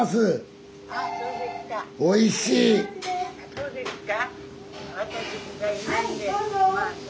そうですか？